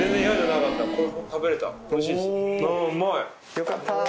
よかった！